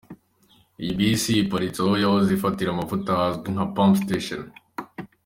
Iyi bisi iparitse aho yahoze ifatira amavuta hazwi nka “pump station”.